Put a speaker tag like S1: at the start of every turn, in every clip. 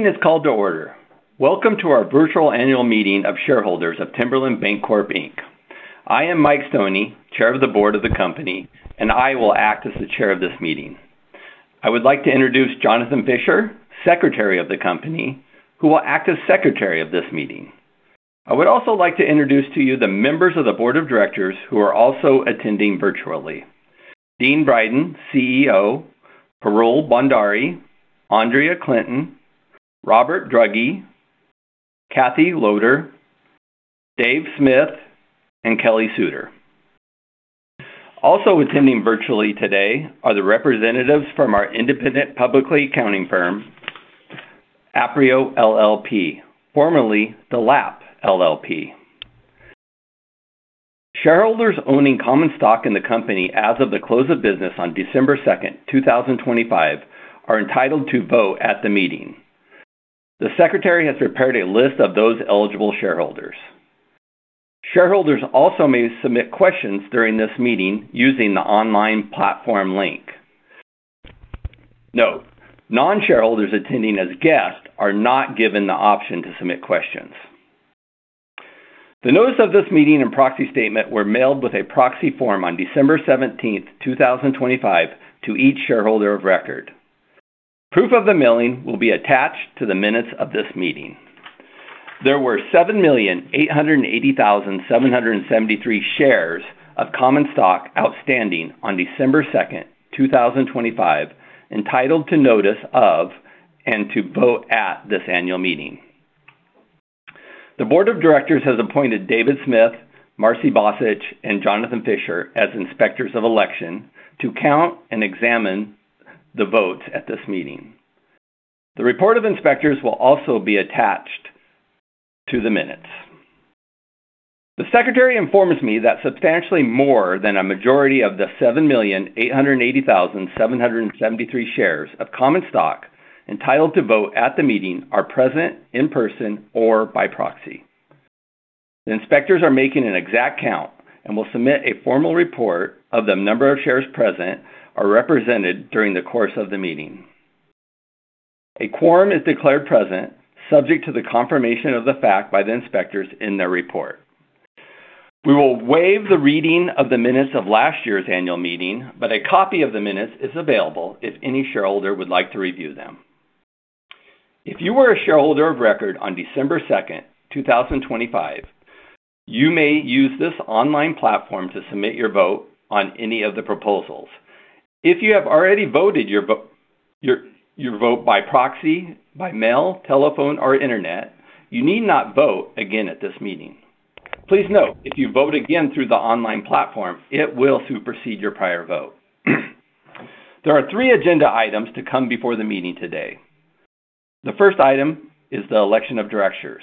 S1: ...The meeting is called to order. Welcome to our virtual annual meeting of shareholders of Timberland Bancorp, Inc. I am Mike Stoney, chair of the board of the company, and I will act as the chair of this meeting. I would like to introduce Jonathan Fischer, secretary of the company, who will act as secretary of this meeting. I would also like to introduce to you the members of the board of directors who are also attending virtually. Dean Brydon, CEO, Parul Bhandari, Andrea Clinton, Robert Drugge, Kathy Leodler, Dave Smith, and Kelly Suter. Also attending virtually today are the representatives from our independent public accounting firm, Aprio LLP, formerly Delap LLP. Shareholders owning common stock in the company as of the close of business on December 2, 2025, are entitled to vote at the meeting. The secretary has prepared a list of those eligible shareholders. Shareholders also may submit questions during this meeting using the online platform link. Note, non-shareholders attending as guests are not given the option to submit questions. The notice of this meeting and proxy statement were mailed with a proxy form on December seventeenth, 2025, to each shareholder of record. Proof of the mailing will be attached to the minutes of this meeting. There were 7,880,773 shares of common stock outstanding on December second, 2025, entitled to notice of and to vote at this annual meeting. The board of directors has appointed David Smith, Marci Basich, and Jonathan Fischer as inspectors of election to count and examine the votes at this meeting. The report of inspectors will also be attached to the minutes. The secretary informs me that substantially more than a majority of the 7,880,773 shares of common stock entitled to vote at the meeting are present in person or by proxy. The inspectors are making an exact count and will submit a formal report of the number of shares present or represented during the course of the meeting. A quorum is declared present, subject to the confirmation of the fact by the inspectors in their report. We will waive the reading of the minutes of last year's annual meeting, but a copy of the minutes is available if any shareholder would like to review them. If you were a shareholder of record on December 2, 2025, you may use this online platform to submit your vote on any of the proposals. If you have already voted your vote by proxy, by mail, telephone, or internet, you need not vote again at this meeting. Please note, if you vote again through the online platform, it will supersede your prior vote. There are three agenda items to come before the meeting today. The first item is the election of directors.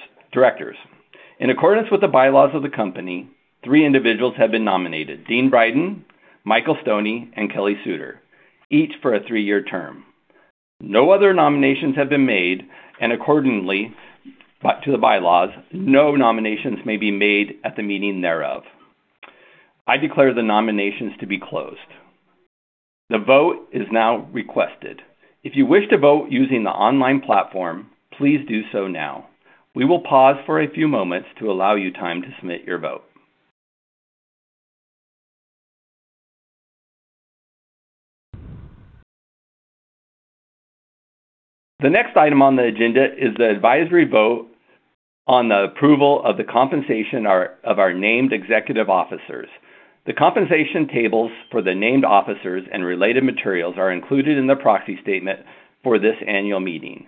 S1: In accordance with the bylaws of the company, three individuals have been nominated: Dean Brydon, Michael Stoney, and Kelly Suter, each for a three-year term. No other nominations have been made, and accordingly, pursuant to the bylaws, no nominations may be made at the meeting thereof. I declare the nominations to be closed. The vote is now requested. If you wish to vote using the online platform, please do so now. We will pause for a few moments to allow you time to submit your vote. The next item on the agenda is the advisory vote on the approval of the compensation of our named executive officers. The compensation tables for the named officers and related materials are included in the proxy statement for this annual meeting.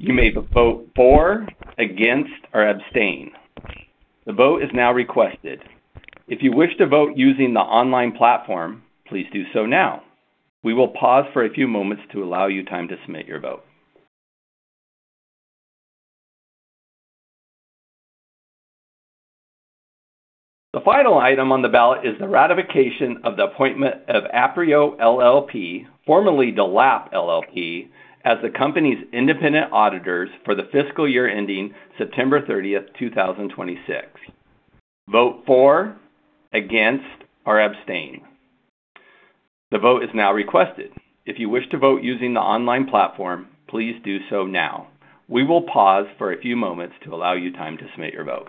S1: You may vote for, against, or abstain. The vote is now requested. If you wish to vote using the online platform, please do so now. We will pause for a few moments to allow you time to submit your vote. The final item on the ballot is the ratification of the appointment of Aprio LLP, formerly Delap LLP, as the company's independent auditors for the fiscal year ending September 30, 2026. Vote for, against, or abstain. The vote is now requested. If you wish to vote using the online platform, please do so now. We will pause for a few moments to allow you time to submit your vote.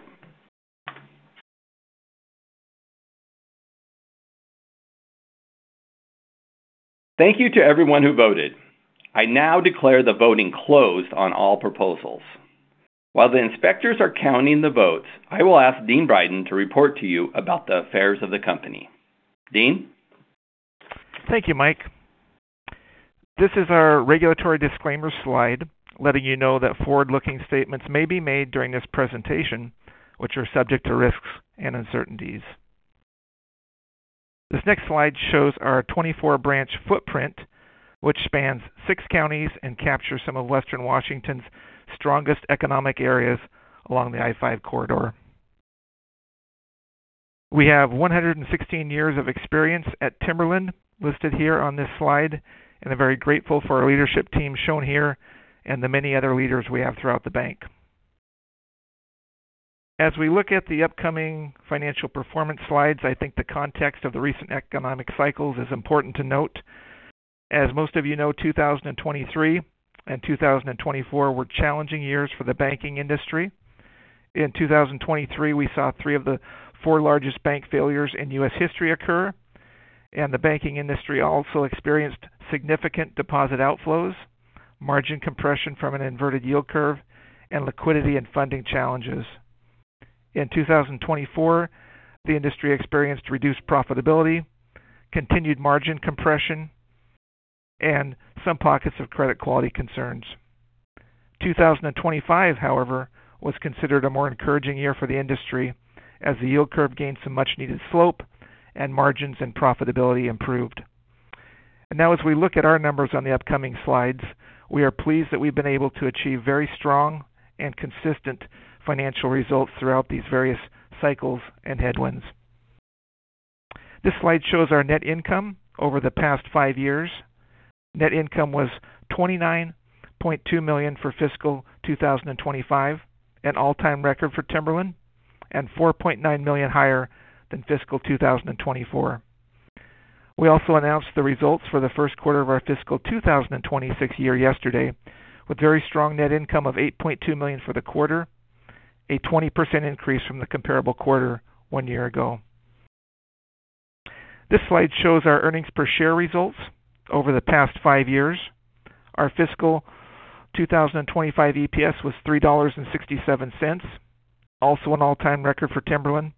S1: Thank you to everyone who voted. I now declare the voting closed on all proposals. While the inspectors are counting the votes, I will ask Dean Brydon to report to you about the affairs of the company. Dean?
S2: Thank you, Mike. This is our regulatory disclaimer slide, letting you know that forward-looking statements may be made during this presentation, which are subject to risks and uncertainties. This next slide shows our 24 branch footprint, which spans six counties and captures some of Western Washington's strongest economic areas along the I-5 corridor. We have 116 years of experience at Timberland, listed here on this slide, and are very grateful for our leadership team shown here, and the many other leaders we have throughout the bank.... As we look at the upcoming financial performance slides, I think the context of the recent economic cycles is important to note. As most of you know, 2023 and 2024 were challenging years for the banking industry. In 2023, we saw 3 of the 4 largest bank failures in U.S. history occur, and the banking industry also experienced significant deposit outflows, margin compression from an inverted yield curve, and liquidity and funding challenges. In 2024, the industry experienced reduced profitability, continued margin compression, and some pockets of credit quality concerns. 2025, however, was considered a more encouraging year for the industry as the yield curve gained some much needed slope and margins and profitability improved. And now as we look at our numbers on the upcoming slides, we are pleased that we've been able to achieve very strong and consistent financial results throughout these various cycles and headwinds. This slide shows our net income over the past 5 years. Net income was $29.2 million for fiscal 2025, an all-time record for Timberland, and $4.9 million higher than fiscal 2024. We also announced the results for the first quarter of our fiscal 2026 year yesterday, with very strong net income of $8.2 million for the quarter, a 20% increase from the comparable quarter one year ago. This slide shows our earnings per share results over the past five years. Our fiscal 2025 EPS was $3.67, also an all-time record for Timberland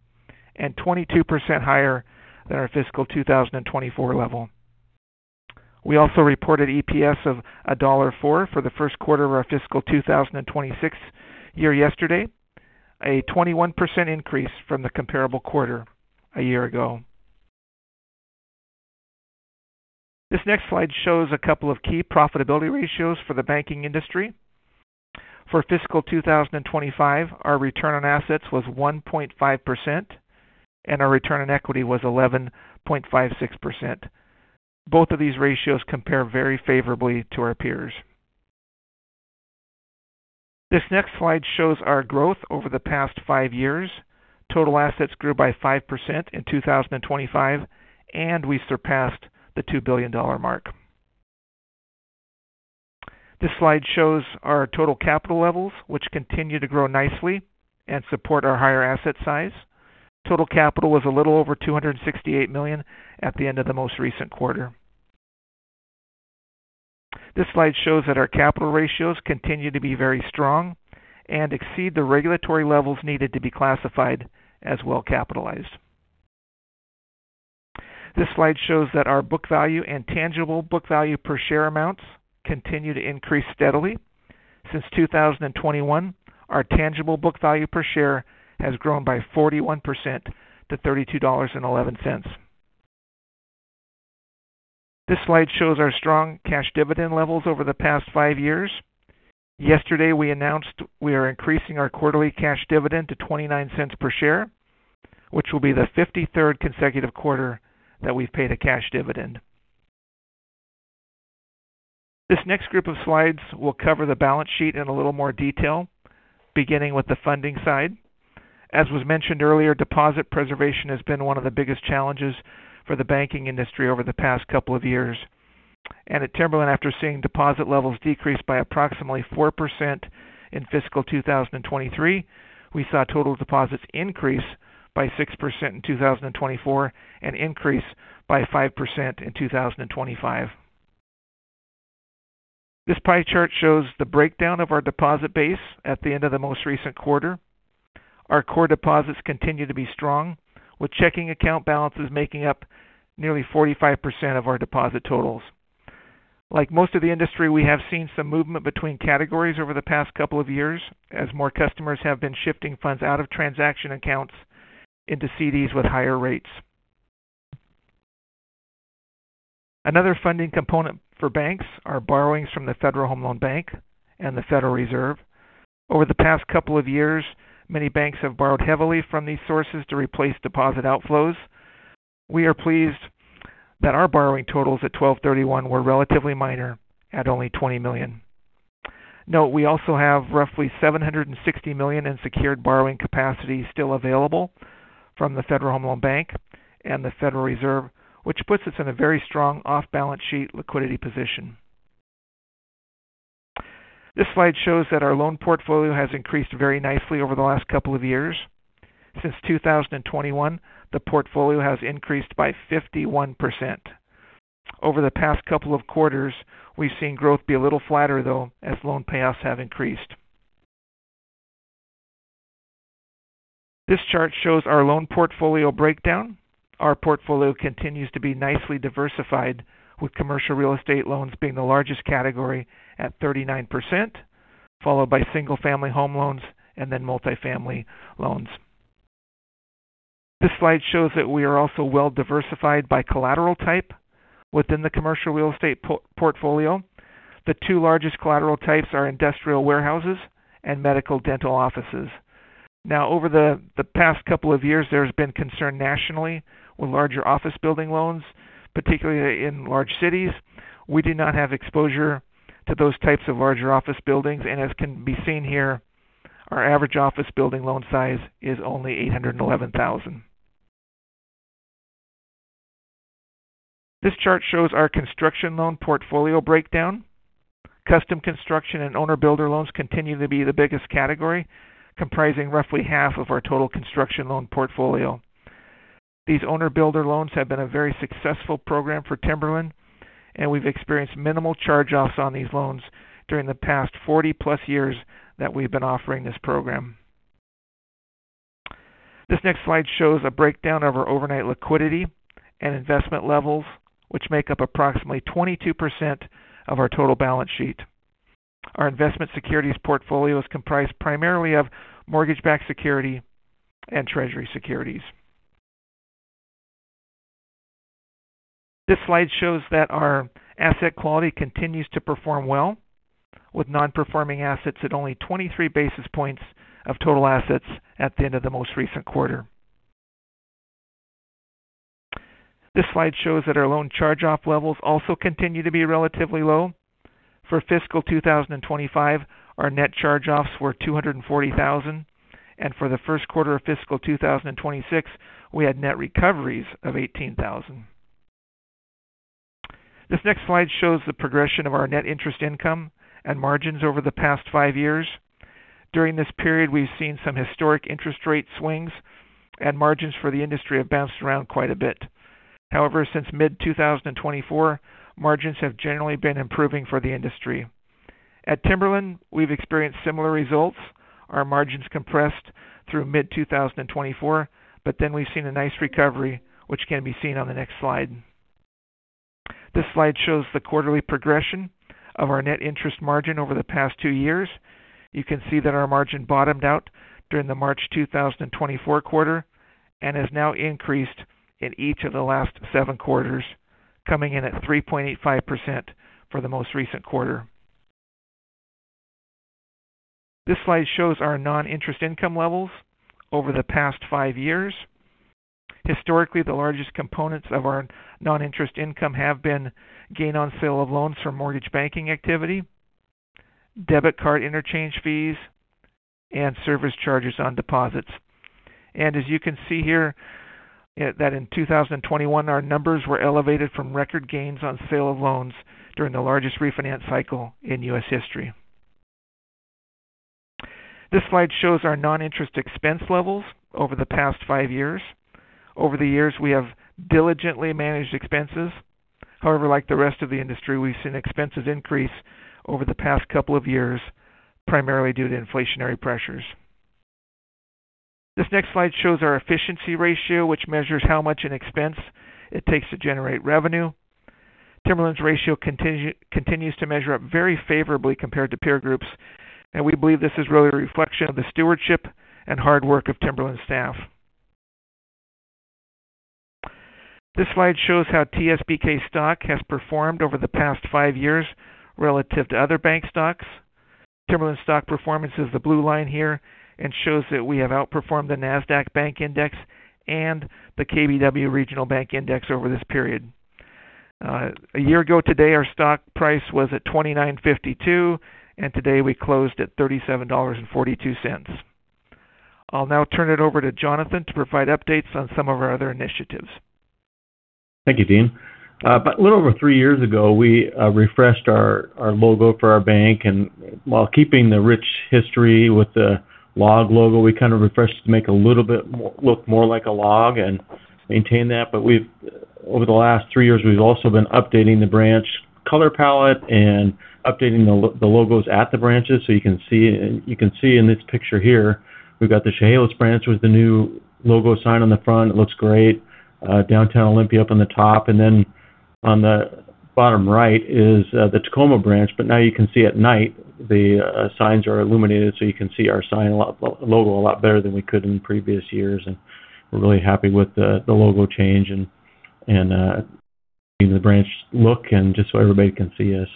S2: and 22% higher than our fiscal 2024 level. We also reported EPS of $1.04 for the first quarter of our fiscal 2026 year yesterday, a 21% increase from the comparable quarter a year ago. This next slide shows a couple of key profitability ratios for the banking industry. For fiscal 2025, our return on assets was 1.5% and our return on equity was 11.56%. Both of these ratios compare very favorably to our peers. This next slide shows our growth over the past five years. Total assets grew by 5% in 2025, and we surpassed the $2 billion mark. This slide shows our total capital levels, which continue to grow nicely and support our higher asset size. Total capital was a little over $268 million at the end of the most recent quarter. This slide shows that our capital ratios continue to be very strong and exceed the regulatory levels needed to be classified as well capitalized. This slide shows that our book value and tangible book value per share amounts continue to increase steadily. Since 2021, our tangible book value per share has grown by 41% to $32.11. This slide shows our strong cash dividend levels over the past five years. Yesterday, we announced we are increasing our quarterly cash dividend to $0.29 per share, which will be the 53rd consecutive quarter that we've paid a cash dividend. This next group of slides will cover the balance sheet in a little more detail, beginning with the funding side. As was mentioned earlier, deposit preservation has been one of the biggest challenges for the banking industry over the past couple of years, and at Timberland, after seeing deposit levels decrease by approximately 4% in fiscal 2023, we saw total deposits increase by 6% in 2024 and increase by 5% in 2025. This pie chart shows the breakdown of our deposit base at the end of the most recent quarter. Our core deposits continue to be strong, with checking account balances making up nearly 45% of our deposit totals. Like most of the industry, we have seen some movement between categories over the past couple of years as more customers have been shifting funds out of transaction accounts into CDs with higher rates. Another funding component for banks are borrowings from the Federal Home Loan Bank and the Federal Reserve. Over the past couple of years, many banks have borrowed heavily from these sources to replace deposit outflows. We are pleased that our borrowing totals at 12/31 were relatively minor at only $20 million. Note, we also have roughly $760 million in secured borrowing capacity still available from the Federal Home Loan Bank and the Federal Reserve, which puts us in a very strong off-balance sheet liquidity position. This slide shows that our loan portfolio has increased very nicely over the last couple of years. Since 2021, the portfolio has increased by 51%. Over the past couple of quarters, we've seen growth be a little flatter, though, as loan payoffs have increased. This chart shows our loan portfolio breakdown. Our portfolio continues to be nicely diversified, with commercial real estate loans being the largest category at 39%, followed by single-family home loans and then multifamily loans. This slide shows that we are also well diversified by collateral type within the commercial real estate portfolio. The two largest collateral types are industrial warehouses and medical dental offices. Now, over the past couple of years, there has been concern nationally with larger office building loans, particularly in large cities. We do not have exposure to those types of larger office buildings, and as can be seen here, our average office building loan size is only $811,000. This chart shows our construction loan portfolio breakdown. Custom construction and owner builder loans continue to be the biggest category, comprising roughly half of our total construction loan portfolio. These owner builder loans have been a very successful program for Timberland, and we've experienced minimal charge-offs on these loans during the past 40+ years that we've been offering this program. This next slide shows a breakdown of our overnight liquidity and investment levels, which make up approximately 22% of our total balance sheet. Our investment securities portfolio is comprised primarily of mortgage-backed securities and Treasury securities. This slide shows that our asset quality continues to perform well, with non-performing assets at only 23 basis points of total assets at the end of the most recent quarter. This slide shows that our loan charge-off levels also continue to be relatively low. For fiscal 2025, our net charge-offs were $240,000, and for the first quarter of fiscal 2026, we had net recoveries of $18,000. This next slide shows the progression of our net interest income and margins over the past five years. During this period, we've seen some historic interest rate swings, and margins for the industry have bounced around quite a bit. However, since mid-2024, margins have generally been improving for the industry. At Timberland, we've experienced similar results. Our margins compressed through mid-2024, but then we've seen a nice recovery, which can be seen on the next slide. This slide shows the quarterly progression of our net interest margin over the past two years. You can see that our margin bottomed out during the March 2024 quarter and has now increased in each of the last seven quarters, coming in at 3.85% for the most recent quarter. This slide shows our non-interest income levels over the past five years. Historically, the largest components of our non-interest income have been gain on sale of loans from mortgage banking activity, debit card interchange fees, and service charges on deposits. And as you can see here, that in 2021, our numbers were elevated from record gains on sale of loans during the largest refinance cycle in U.S. history. This slide shows our non-interest expense levels over the past five years. Over the years, we have diligently managed expenses. However, like the rest of the industry, we've seen expenses increase over the past couple of years, primarily due to inflationary pressures. This next slide shows our efficiency ratio, which measures how much an expense it takes to generate revenue. Timberland's ratio continues to measure up very favorably compared to peer groups, and we believe this is really a reflection of the stewardship and hard work of Timberland staff. This slide shows how TSBK stock has performed over the past five years relative to other bank stocks. Timberland stock performance is the blue line here and shows that we have outperformed the Nasdaq Bank Index and the KBW Regional Bank Index over this period. A year ago today, our stock price was at $29.52, and today we closed at $37.42. I'll now turn it over to Jonathan to provide updates on some of our other initiatives.
S3: Thank you, Dean. About a little over three years ago, we refreshed our logo for our bank, and while keeping the rich history with the log logo, we kind of refreshed to make it look a little bit more like a log and maintain that. But over the last three years, we've also been updating the branch color palette and updating the logos at the branches. So you can see, you can see in this picture here, we've got the Chehalis branch with the new logo sign on the front. It looks great. Downtown Olympia up on the top, and then on the bottom right is the Tacoma branch. But now you can see at night, the signs are illuminated, so you can see our logo a lot better than we could in previous years. We're really happy with the logo change and the branch look and just so everybody can see us.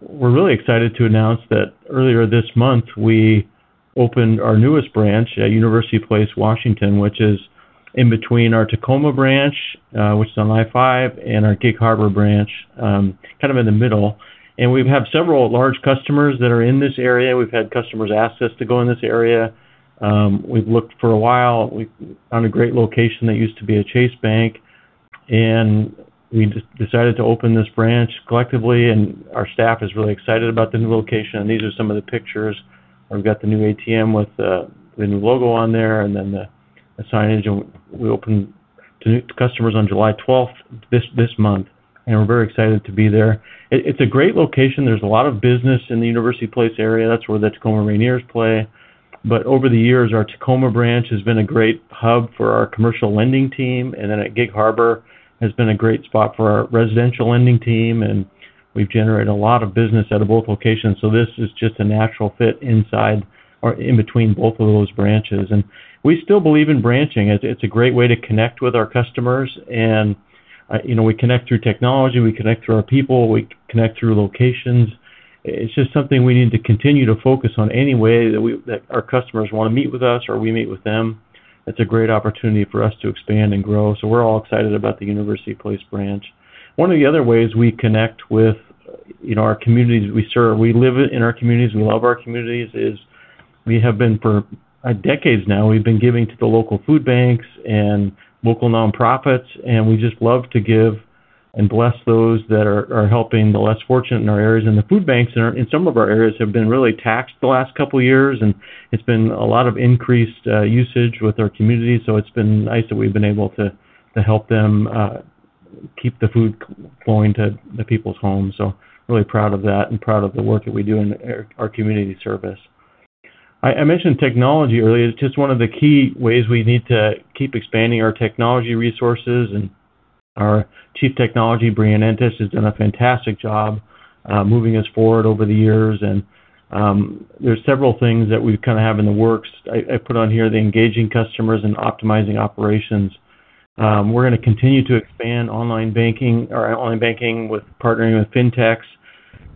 S3: We're really excited to announce that earlier this month, we opened our newest branch at University Place, Washington, which is in between our Tacoma branch, which is on I-5, and our Gig Harbor branch, kind of in the middle. And we've had several large customers that are in this area. We've had customers ask us to go in this area. We've looked for a while. We found a great location that used to be a Chase Bank, and we just decided to open this branch collectively, and our staff is really excited about the new location. And these are some of the pictures. I've got the new ATM with the new logo on there and then the signage, and we opened to new customers on July 12, this month, and we're very excited to be there. It's a great location. There's a lot of business in the University Place area. That's where the Tacoma Rainiers play. But over the years, our Tacoma branch has been a great hub for our commercial lending team, and then at Gig Harbor has been a great spot for our residential lending team, and we've generated a lot of business out of both locations. So this is just a natural fit inside or in between both of those branches. And we still believe in branching. It's a great way to connect with our customers and, you know, we connect through technology, we connect through our people, we connect through locations. It's just something we need to continue to focus on any way that our customers want to meet with us or we meet with them. It's a great opportunity for us to expand and grow. So we're all excited about the University Place branch. One of the other ways we connect with in our communities we serve, we live in our communities, we love our communities, is we have been for decades now, we've been giving to the local food banks and local nonprofits, and we just love to give and bless those that are helping the less fortunate in our areas. And the food banks in our in some of our areas have been really taxed the last couple of years, and it's been a lot of increased usage with our community, so it's been nice that we've been able to to help them keep the food flowing to the people's homes. So really proud of that and proud of the work that we do in our our community service. I I mentioned technology earlier. It's just one of the key ways we need to keep expanding our technology resources, and our Chief Technology, Breanne Antich, has done a fantastic job moving us forward over the years. And there's several things that we kind of have in the works. I I put on here the engaging customers and optimizing operations. We're gonna continue to expand online banking or online banking with partnering with fintechs.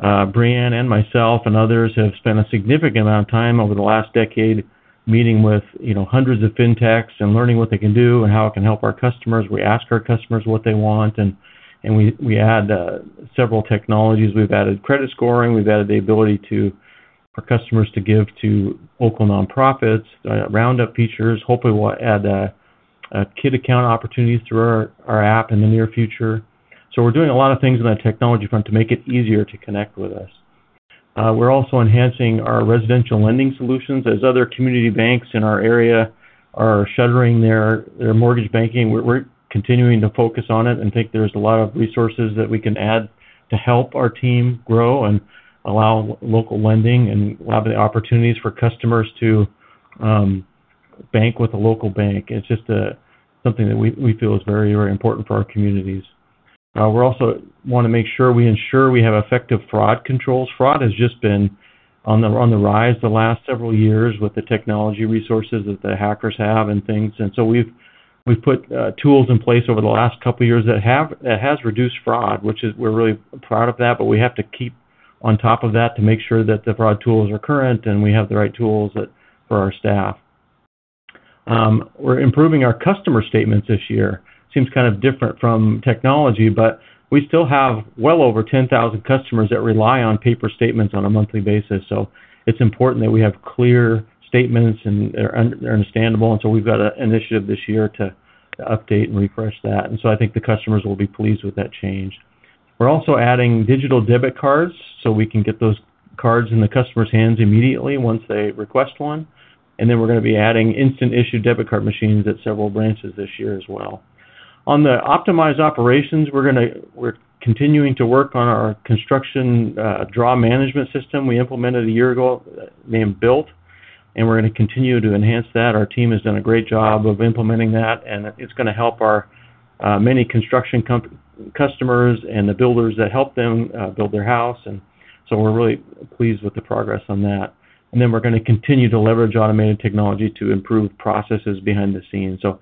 S3: Breanne and myself and others have spent a significant amount of time over the last decade meeting with, you know, hundreds of fintechs and learning what they can do and how it can help our customers. We ask our customers what they want, and we add several technologies. We've added credit scoring, we've added the ability for customers to give to local nonprofits, roundup features. Hopefully, we'll add a kid account opportunities through our app in the near future. So we're doing a lot of things on the technology front to make it easier to connect with us. We're also enhancing our residential lending solutions. As other community banks in our area are shuttering their mortgage banking, we're continuing to focus on it and think there's a lot of resources that we can add to help our team grow and allow local lending and have the opportunities for customers to bank with a local bank. It's just something that we feel is very, very important for our communities. We're also wanna make sure we ensure we have effective fraud controls. Fraud has just been on the rise the last several years with the technology resources that the hackers have and things, and so we've put tools in place over the last couple of years that has reduced fraud, which is we're really proud of that, but we have to keep on top of that to make sure that the fraud tools are current and we have the right tools that for our staff. We're improving our customer statements this year. Seems kind of different from technology, but we still have well over 10,000 customers that rely on paper statements on a monthly basis. So it's important that we have clear statements and they're understandable, and so we've got an initiative this year to update and refresh that. And so I think the customers will be pleased with that change. We're also adding digital debit cards, so we can get those cards in the customer's hands immediately once they request one, and then we're gonna be adding instant issue debit card machines at several branches this year as well. On the optimized operations, we're continuing to work on our construction draw management system we implemented a year ago, named Built, and we're gonna continue to enhance that. Our team has done a great job of implementing that, and it's gonna help our many construction customers and the builders that help them build their house, and so we're really pleased with the progress on that. And then we're gonna continue to leverage automated technology to improve processes behind the scenes. So,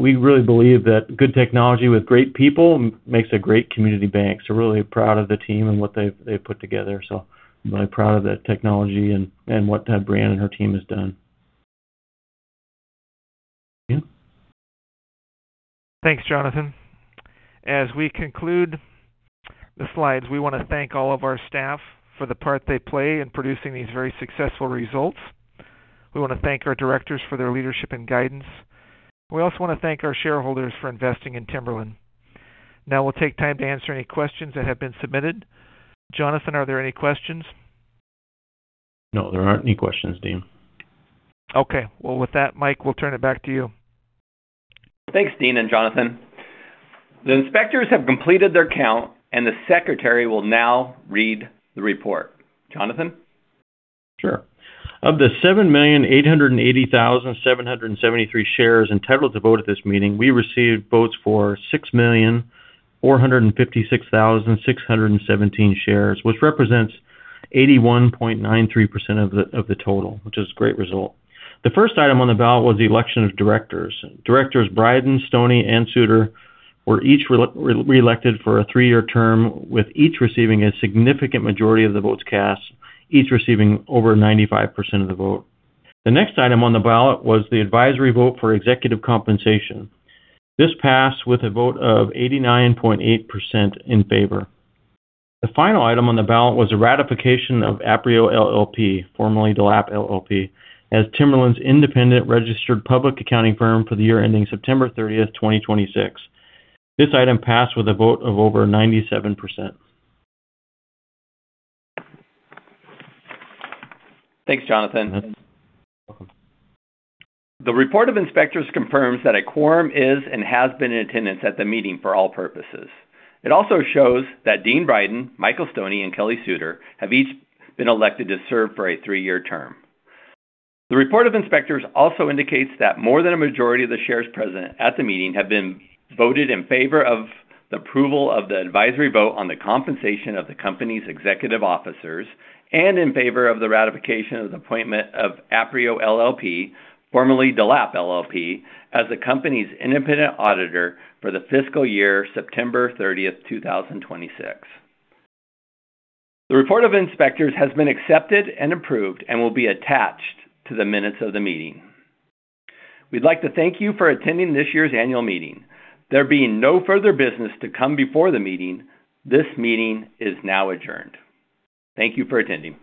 S3: we really believe that good technology with great people makes a great community bank. So we're really proud of the team and what they've, they've put together. So I'm really proud of that technology and, and what, Breanne and her team has done.
S2: Yeah. Thanks, Jonathan. As we conclude the slides, we wanna thank all of our staff for the part they play in producing these very successful results. We wanna thank our directors for their leadership and guidance. We also wanna thank our shareholders for investing in Timberland. Now, we'll take time to answer any questions that have been submitted. Jonathan, are there any questions?
S3: No, there aren't any questions, Dean.
S2: Okay. Well, with that, Mike, we'll turn it back to you.
S1: Thanks, Dean and Jonathan. The inspectors have completed their count, and the secretary will now read the report. Jonathan?
S3: Sure. Of the 7,880,773 shares entitled to vote at this meeting, we received votes for 6,456,617 shares, which represents 81.93% of the total, which is a great result. The first item on the ballot was the election of directors. Directors Brydon, Stoney, and Suter were each re-elected for a three-year term, with each receiving a significant majority of the votes cast, each receiving over 95% of the vote. The next item on the ballot was the advisory vote for executive compensation. This passed with a vote of 89.8% in favor. The final item on the ballot was a ratification of Aprio LLP, formerly Delap LLP, as Timberland's independent registered public accounting firm for the year ending September 30, 2026. This item passed with a vote of over 97%.
S1: Thanks, Jonathan.
S3: You're welcome.
S1: The report of inspectors confirms that a quorum is and has been in attendance at the meeting for all purposes. It also shows that Dean Brydon, Michael Stoney, and Kelly Suter have each been elected to serve for a 3-year term. The report of inspectors also indicates that more than a majority of the shares present at the meeting have been voted in favor of the approval of the advisory vote on the compensation of the company's executive officers, and in favor of the ratification of the appointment of Aprio LLP, formerly Delap LLP, as the company's independent auditor for the fiscal year, September 30th, 2026. The report of inspectors has been accepted and approved and will be attached to the minutes of the meeting. We'd like to thank you for attending this year's annual meeting. There being no further business to come before the meeting, this meeting is now adjourned. Thank you for attending.